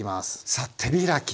さ手開き。